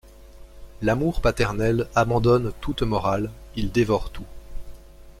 L'amour paternel abandonne toute morale, il dévore tout.